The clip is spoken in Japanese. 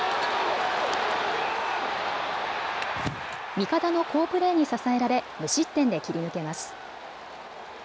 味方の好プレーに支えられ無失点で切り抜けます。